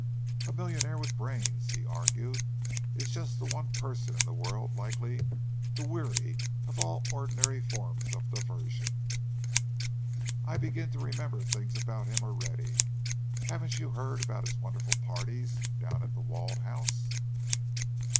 "A millionaire with brains," he argued, "is just the one person in the world likely to weary of all ordinary forms of diversion. I begin to remember things about him already. Haven't you heard about his wonderful parties down at The Walled House?"